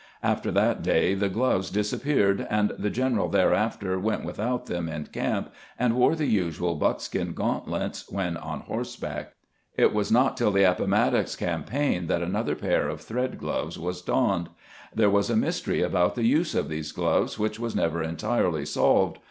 After that day the gloves disappeared, and the general thereafter went without them in camp, and wore the usual buckskin gauntlets when on horseback. It was not till the Ap pomattox campaign that another pair of thread gloves was donned. There was a mystery about the use of those gloves which was never entirely solved.